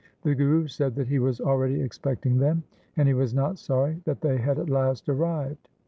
The Guru said that he was already expecting them, and he was not sorry that they had at last arrived.